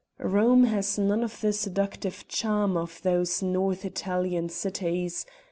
Rome has none of the seductive charm of those North Italian cities.